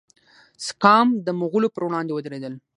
سکام د مغولو پر وړاندې ودریدل.